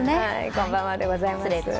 こんばんはでございます。